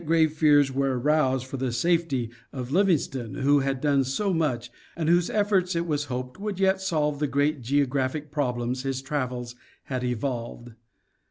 grave fears were aroused for the safety of Livingstone, who had done so much, and whose efforts it was hoped would yet solve the great geographic problems his travels had evolved.